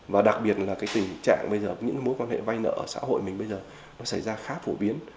và đặc biệt là cái tình trạng bây giờ những mối quan hệ vay nợ ở xã hội mình bây giờ nó xảy ra khá phổ biến